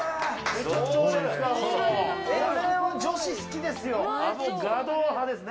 これは女子、好きですよ。